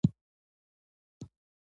زه د ښو اخلاقو تمرین کوم.